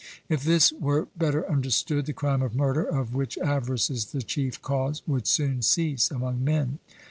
If this were better understood, the crime of murder, of which avarice is the chief cause, would soon cease among men.